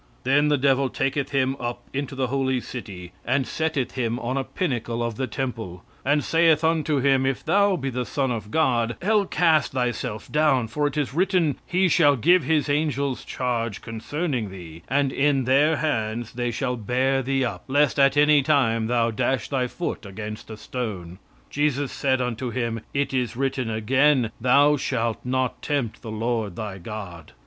"Then the devil taketh him up into the holy city, and setteth him on a pinnacle of the temple, "And saith unto him, If thou be the Son of God, Hell cast thyself down, for it is written, He shall give his angels charge concerning thee; and in their hands they shall bear thee up, lest at any time thou dash thy foot against a stone. "Jesus said unto him, It is written again, Thou shalt not tempt the Lord thy God."